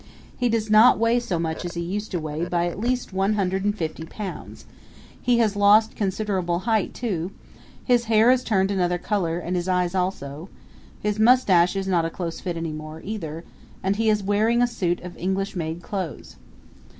He does not weigh so much as he used to weigh by at least one hundred and fifty pounds; he has lost considerable height too; his hair has turned another color and his eyes also; his mustache is not a close fit any more, either; and he is wearing a suit of English made clothes.